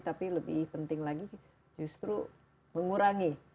tapi lebih penting lagi justru mengurangi